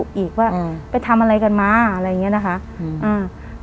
พ่อก็ดุอีกว่าอืมไปทำอะไรกันมาอะไรอย่างเงี้ยนะคะเออ